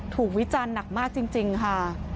วิจารณ์หนักมากจริงค่ะ